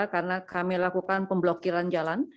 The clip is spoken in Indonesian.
karena kami lakukan pemblokiran jalan